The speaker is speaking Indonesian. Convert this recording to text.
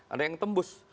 ada yang tembus